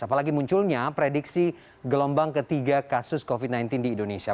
apalagi munculnya prediksi gelombang ketiga kasus covid sembilan belas di indonesia